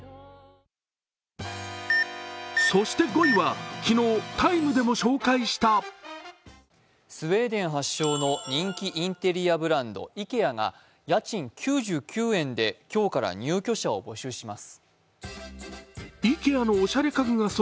そして５位は、昨日「ＴＨＥＴＩＭＥ，」でも紹介したスウェーデン発祥の人気インテリアブランド、ＩＫＥＡが家賃９９円で今日から入居者を募集します。